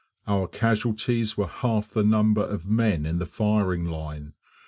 Our casualties were half the number of men in the firing line.